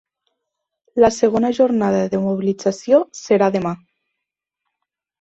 La segona jornada de mobilització serà demà.